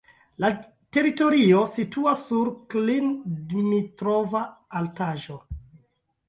La teritorio situas sur Klin-Dmitrova altaĵo.